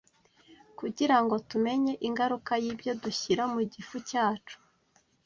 kugira ngo tumenye ingaruka y’ibyo dushyira mu gifu cyacu.